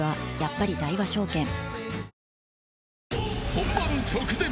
［本番直前！